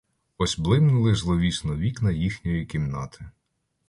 Ось блимнули зловісно вікна їхньої кімнати.